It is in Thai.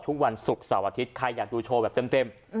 ทุกวันศุกร์เสาร์อาทิตย์ใครอยากดูโชว์แบบเต็ม